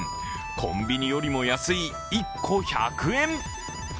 コンビニよりも安い、１個１００円。